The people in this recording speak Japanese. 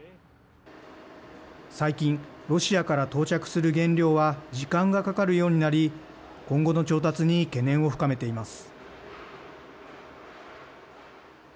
最近、ロシアから到着する原料は時間がかかるようになり今後の調達に懸念を深めています。